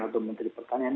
atau menteri pertanian